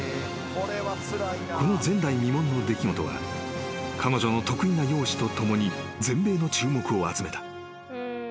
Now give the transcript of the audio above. ［この前代未聞の出来事は彼女の特異な容姿とともに全米の注目を集めた］